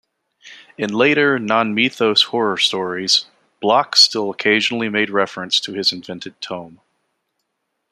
In later, non-Mythos horror stories, Bloch still occasionally made reference to his invented tome.